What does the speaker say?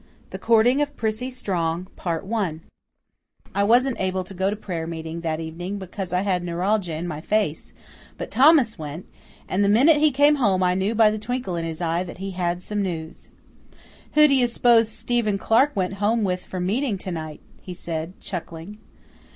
The Courting of Prissy Strong I WASN'T able to go to prayer meeting that evening because I had neuralgia in my face; but Thomas went, and the minute he came home I knew by the twinkle in his eye that he had some news. "Who do you s'pose Stephen Clark went home with from meeting to night?" he said, chuckling.